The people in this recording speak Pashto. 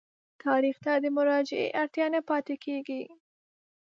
تاریخ ته د مراجعې اړتیا نه پاتېږي.